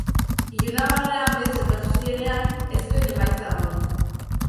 Ilunabarrean berriz elkartu zirenean ez zuten emaitza onik.